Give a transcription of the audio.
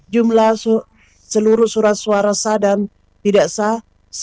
jumlah seluruh surat suara sah dan tidak sah